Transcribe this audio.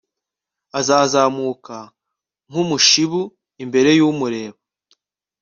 azazamuka nk umushibu imbere y umureba